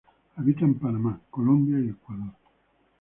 Habita en Panamá, Colombia y Ecuador.